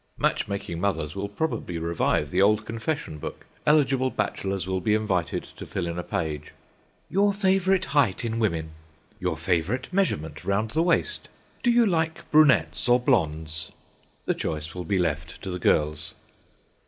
Match making mothers will probably revive the old confession book. Eligible bachelors will be invited to fill in a page: "Your favourite height in women," "Your favourite measurement round the waist," "Do you like brunettes or blondes?" The choice will be left to the girls.